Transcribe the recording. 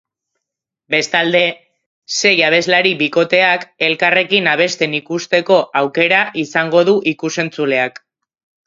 Bestalde, sei abeslari bikoteak elkarrekin abesten ikusteko aukera izango du ikusentzuleak.